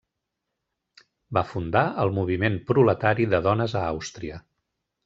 Va fundar el moviment proletari de dones a Àustria.